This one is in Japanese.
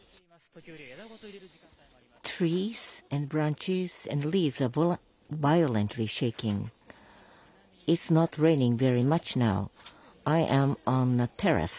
時折、枝ごと揺れる時間帯もあります。